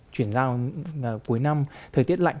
chuyển giao cuối năm thời tiết lạnh